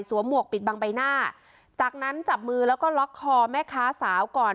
หมวกปิดบังใบหน้าจากนั้นจับมือแล้วก็ล็อกคอแม่ค้าสาวก่อน